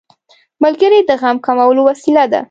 ملګری د غم کمولو وسیله ده